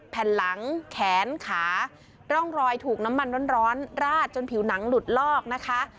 แผ่นหลังแขนขาร่องรอยถูกน้ำมันร้อนราดจนผิวหนังหลุดลอกนะคะ